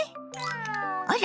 あら！